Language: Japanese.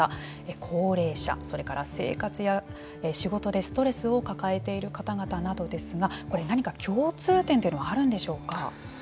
高齢者、それから生活や仕事でストレスを抱えている方々などですが何か共通点というのはあるんでしょうか。